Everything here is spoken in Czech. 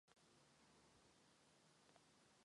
Jsou Vánoce.